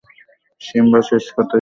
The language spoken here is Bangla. সিম্বা শেষ কোথায় ছিল?